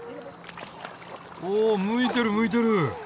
おむいてるむいてる。